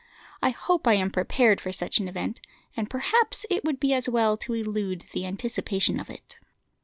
I hope I am prepared for such an event, and perhaps it would be as well to elude the anticipation of it."